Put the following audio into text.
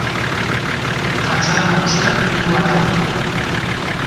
Fatxada nagusiak hiru atal ditu.